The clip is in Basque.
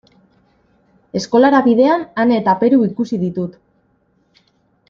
Eskolara bidean Ane eta Peru ikusi ditut.